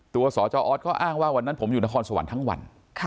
ตัวสอก็อ้างว่าวันนั้นผมอยู่ในห้องสวรรค์ทั้งวัน